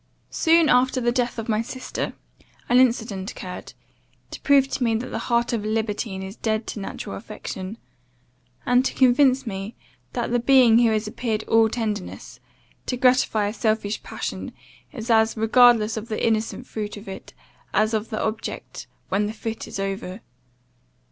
"Soon after the death of my sister, an incident occurred, to prove to me that the heart of a libertine is dead to natural affection; and to convince me, that the being who has appeared all tenderness, to gratify a selfish passion, is as regardless of the innocent fruit of it, as of the object, when the fit is over.